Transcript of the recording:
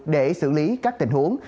để xử lý các tình huống